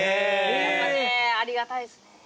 やっぱねありがたいですね。